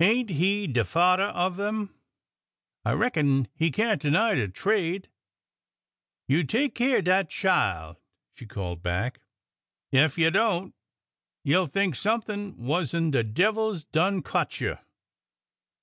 Ain't he de father of 'em ? I reckon he can't deny de trade ! You take keer dat chile," she called back. Ef you don't, you 'll think something wuss 'n de devil 's done cotch you